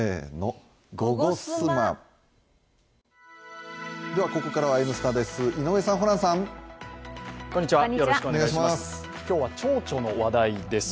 ここからは「Ｎスタ」です。